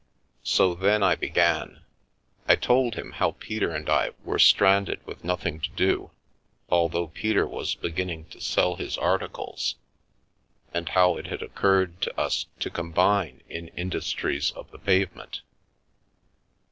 ,, So then I began. I told him how Peter and I were stranded with nothing to do, although Peter was be ginning to sell his articles, and how it had occurred to us to combine in industries of the pavement.